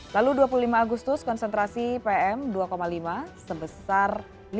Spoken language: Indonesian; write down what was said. lalu dua puluh lima agustus konsentrasi pm dua lima sebesar lima